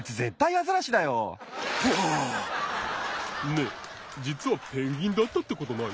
ねえじつはペンギンだったってことない？